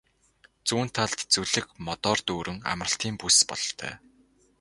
Зүүн талд зүлэг модоор дүүрэн амралтын бүс бололтой.